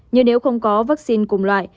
nhưng nếu không có vắc xin cùng loại